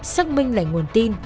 xác minh lại nguồn tin